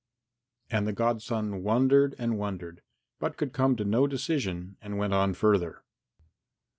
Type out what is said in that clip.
And the godson wondered and wondered, but could come to no decision and went on further.